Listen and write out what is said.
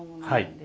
はい。